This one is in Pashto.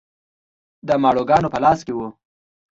د ماڼوګانو په لاس کې و.